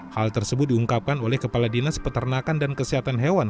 hal tersebut diungkapkan oleh kepala dinas peternakan dan kesehatan hewan